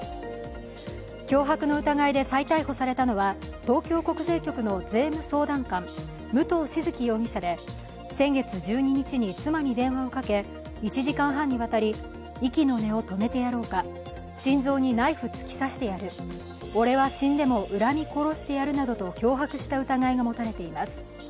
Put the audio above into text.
脅迫の疑いで再逮捕されたのは東京国税局の税務相談官・武藤静城容疑者で先月１２日に妻に電話をかけ１時間半にわたり息の根を止めてやろうか、心臓にナイフ突き刺してやる、俺は死んでも恨み殺してやるなどと脅迫した疑いが持たれています。